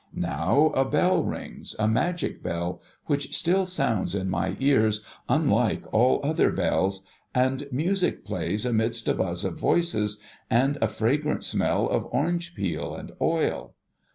Now, a bell rings — a magic bell, which still sounds in my ears unlike all other bells — and music plays, amidst a buzz of voices, and a fragrant smell of orange CHRISTMAS TREE THEATRICALS 9 peel and oil.